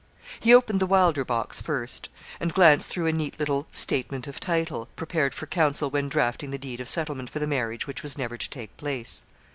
He opened the 'Wylder' box first, and glanced through a neat little 'statement of title,' prepared for counsel when draughting the deed of settlement for the marriage which was never to take place.